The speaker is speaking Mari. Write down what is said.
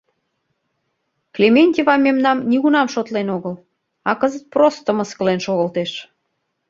Клементьева мемнам нигунам шотлен огыл, а кызыт просто мыскылен шогылтеш!